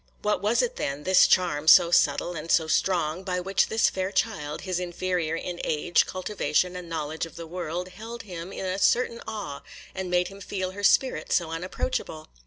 What was it, then,—this charm, so subtile and so strong, by which this fair child, his inferior in age, cultivation, and knowledge of the world, held him in a certain awe, and made him feel her spirit so unapproachable?